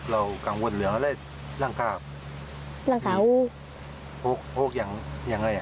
เรากังวลเหลืออะไรล่างกาบล่างกาหูโฮคโฮคอย่างอย่างไรอ่ะ